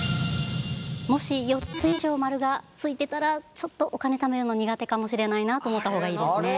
もし４つ以上○が付いてたらちょっとお金ためるの苦手かもしれないなと思った方がいいですね。